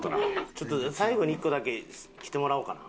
ちょっと最後に１個だけ着てもらおうかな。